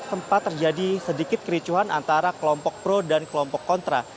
sempat terjadi sedikit kericuhan antara kelompok pro dan kelompok kontra